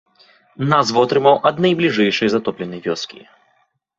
Назва атрымаў ад найбліжэйшай затопленай вёскі.